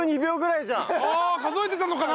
数えてたのかな